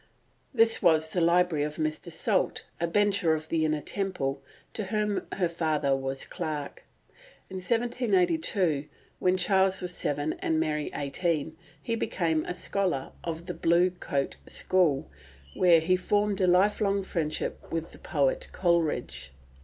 This was the library of Mr. Salt, a bencher of the Inner Temple, to whom her father was clerk. In 1782, when Charles was seven and Mary eighteen, he became a scholar of the Blue Coat School, where he formed a lifelong friendship with the poet Coleridge.